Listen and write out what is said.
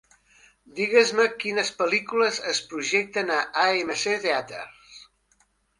Digues-me quines pel·lícules es projecten a AMC Theatres.